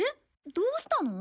どうしたの？